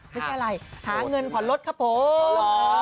ไม่ใช่อะไรหาเงินผ่อนรถครับผม